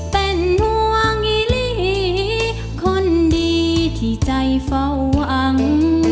เป็นห่วงอีหลีคนดีที่ใจเฝ้าหวัง